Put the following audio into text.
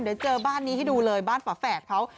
เดี๋ยวเจอบ้านนี้ให้ดูเลยบ้านฝาแฝดเขา